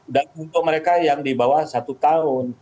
dan untuk mereka yang di bawah satu tahun